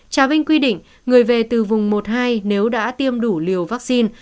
trà vinh quy định người về từ vùng một hai nếu đã tiêm đủ liều vaccine